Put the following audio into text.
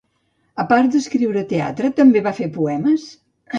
A part d'escriure teatre, també va fer poemes?